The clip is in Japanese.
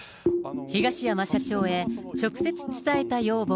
東山社長へ直接伝えた要望。